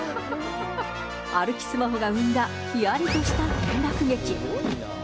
歩きスマホが生んだ、ひやりとした転落劇。